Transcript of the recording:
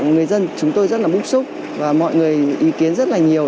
người dân chúng tôi rất là bức xúc và mọi người ý kiến rất là nhiều